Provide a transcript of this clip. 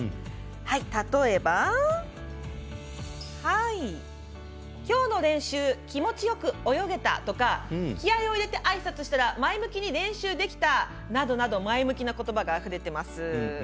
例えば、今日の練習気持ちよく泳げたとか気合いを入れてあいさつしたら前向きに練習できたなどなど、前向きなことばがあふれています。